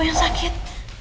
gue mau tau aja gue siapa